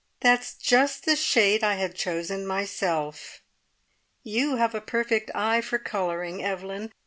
That's just the shade I had chosen myself." "You have a perfect eye for colouring, Evelyn.